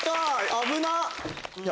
危なっ！